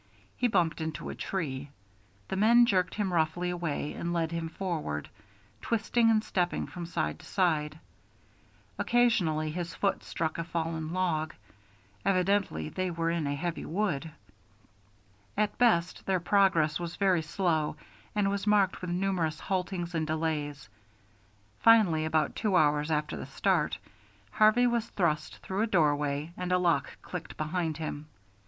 He bumped into a tree. The men jerked him roughly away and led him forward, twisting and stepping from side to side. Occasionally his foot struck a fallen log. Evidently they were in a heavy wood. At best their progress was very slow and was marked with numerous haltings and delays. Finally, about two hours after the start, Harvey was thrust through a doorway and a lock clicked behind him.